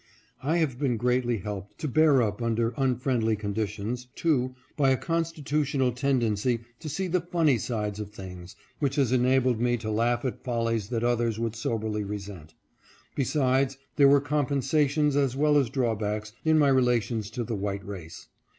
I have been greatly helped to bear up under unfriendly conditions, too, by a constitutional tendency to see the funny sides of things, which has enabled me to laugh at follies that others would soberly resent. Besides, there were compensations as well as drawbacks in my relations to the white race.